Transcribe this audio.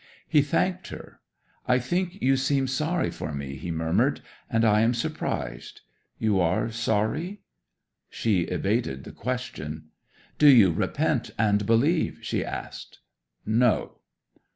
'He thanked her. "I think you seem sorry for me," he murmured. "And I am surprised. You are sorry?" 'She evaded the question. "Do you repent and believe?" she asked. '"No."